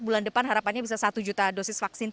bulan depan harapannya bisa satu juta dosis vaksin